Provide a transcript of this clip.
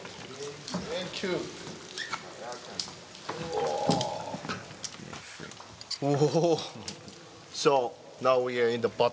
おお！